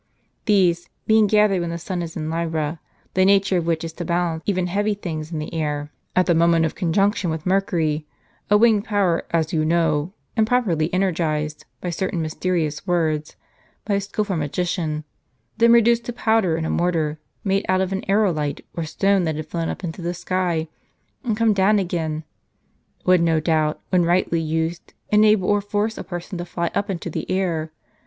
These, being gathered when the sun is in Libra, the nature of which is to balance even heavy things in the air, at the moment of conjunction with Mercury, a winged power as you know, and properly energized by certain inysterioas words, by a skilful magician, then reduced to powder in a mortar made out of an aerolite, or stone that had flown up into the sky, and come down again, would no doubt, when rightly used, enable, or force a person to fly up into the air.